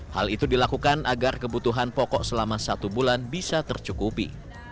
hal itu dilakukan agar kebutuhan pokok selama satu bulan bisa tercukupi